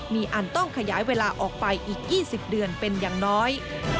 มีอันต้องขยายเวลาออกไปอีก๒๐เดือนเป็นอย่างน้อย